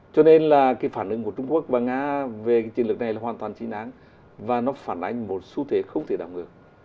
cho nên là cái phản ứng của trung quốc và nga về cái chiến lược này là hoàn toàn chính đáng và nó phản ánh một xu thế không thể đảo ngược